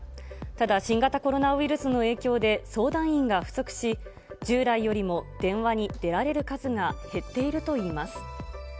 ただ、新型コロナウイルスの影響で相談員が不足し、従来よりも電話に出られる数が減っているといいます。